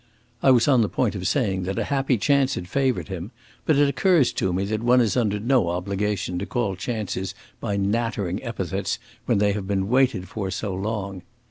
I was on the point of saying that a happy chance had favoured him, but it occurs to me that one is under no obligation to call chances by nattering epithets when they have been waited for so long.